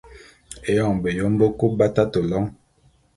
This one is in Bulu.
Éyoň beyom bekub b’atate lôň.